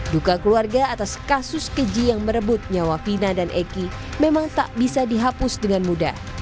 duka keluarga atas kasus keji yang merebut nyawa vina dan eki memang tak bisa dihapus dengan mudah